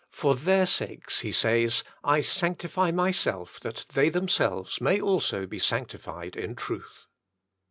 " For their sakes," He says, "I sanctify Myself that they themselves may also be sanctified in truth."